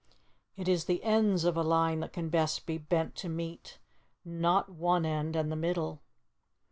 It is the ends of a line that can best be bent to meet, not one end and the middle.